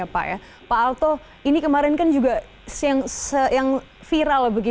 pak alto ini kemarin kan juga yang viral